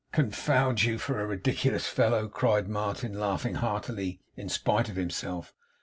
'Confound you for a ridiculous fellow!' cried Martin, laughing heartily in spite of himself.